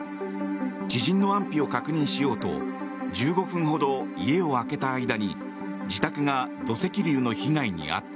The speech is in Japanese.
知人の安否を確認しようと１５分ほど家を空けた間に自宅が土石流の被害に遭った。